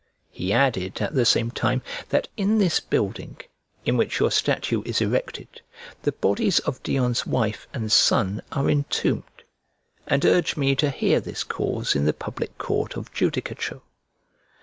He added, at the same time, that in this building, in which your statue is erected, the bodies of Dion's wife and son are entombed, and urged me to hear this cause in the public court of judicature.